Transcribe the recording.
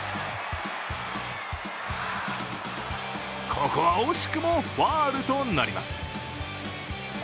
ここは惜しくもファウルとなります。